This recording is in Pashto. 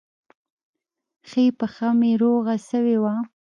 ښۍ پښه مې روغه سوې وه.